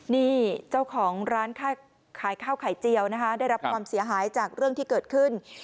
นี่เจ้าของร้านขายข้าวไข่เจียวนะคะได้รับความเสียหายจากเรื่องที่เกิดขึ้น